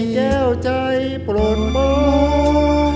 แก้วใจโปรดโมง